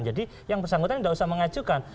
jadi yang bersangkutan tidak usah mengajukan